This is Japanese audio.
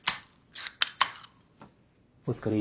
お疲れ。